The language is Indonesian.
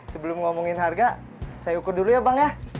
sebelum ngomongin harga saya ukur dulu ya bang ya